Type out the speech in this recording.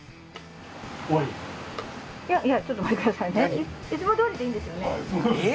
いやちょっと待ってくださいね。